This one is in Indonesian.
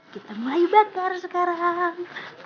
kita mulai bakar sekarang